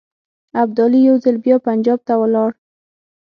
ابدالي یو ځل بیا پنجاب ته ولاړ.